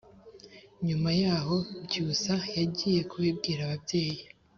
Nyuma yaho Byusa yagiye kubibwira ababyeyi